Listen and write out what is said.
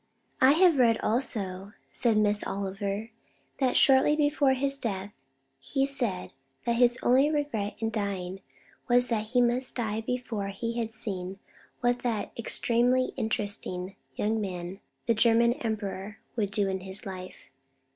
"I have read also," said Miss Oliver, "that shortly before his death he said that his only regret in dying was that he must die before he had seen what that 'extremely interesting young man, the German Emperor,' would do in his life.